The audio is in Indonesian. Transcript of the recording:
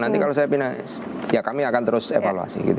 nanti kalau saya pindah ya kami akan terus evaluasi